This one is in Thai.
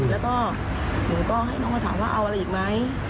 แล้วก็หนูก็ให้น้องมาถามว่าเอาอะไรอีกไหม